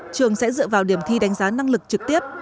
trường sẽ dựa vào điểm thi đánh giá năng lực trực tiếp